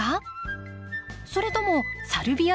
それともサルビアですか？